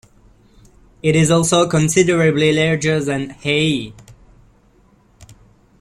It is also considerably larger than Ae.